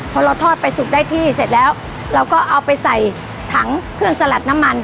พอเราทอดไปสุกได้ที่เสร็จแล้วเราก็เอาไปใส่ถังเครื่องสลัดน้ำมัน